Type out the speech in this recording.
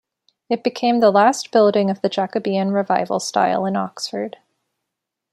It became the last building of the Jacobean revival style in Oxford.